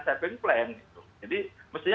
saving plan jadi mestinya